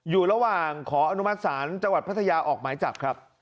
อยู่ระหว่างขออนุมัติศาลจังหวัดพัทยาออกหมายจับครับ